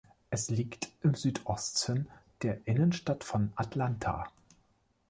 Es liegt im Südosten der Innenstadt von Atlanta.